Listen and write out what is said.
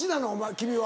君は。